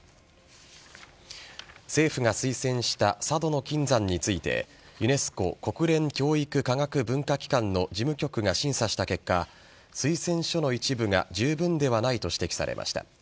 政府が推薦した佐渡島の金山についてユネスコ＝国連教育科学文化機関の事務局が審査した結果推薦書の一部が十分ではなかったと指摘されました。